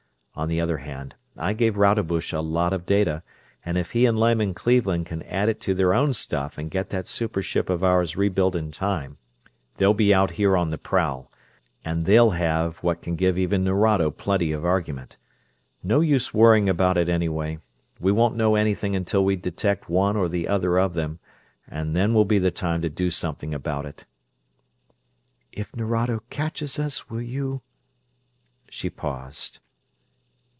On the other hand, I gave Rodebush a lot of data, and if he and Lyman Cleveland can add it to their own stuff and get that super ship of ours rebuilt in time, they'll be out here on the prowl; and they'll have what can give even Nerado plenty of argument. No use worrying about it, anyway. We won't know anything until we can detect one or the other of them, and then will be the time to do something about it." "If Nerado catches us, will you...." She paused.